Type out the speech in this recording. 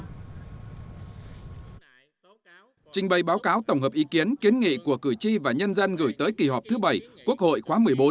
trình bày báo cáo tổng hợp ý kiến kiến nghị của cử tri và nhân dân gửi tới kỳ họp thứ bảy quốc hội khóa một mươi bốn